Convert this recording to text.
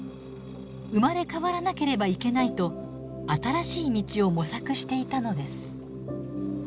生まれ変わらなければいけないと新しい道を模索していたのです。